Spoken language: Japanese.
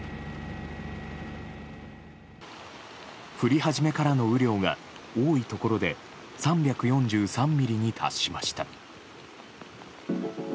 降り始めからの雨量が多いところで３４３ミリに達しました。